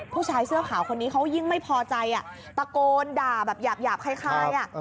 ผู้ชายเสื้อขาวคนนี้เขายิ่งไม่พอใจตะโกนด่าแบบหยาบคล้าย